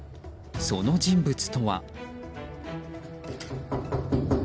その人物とは。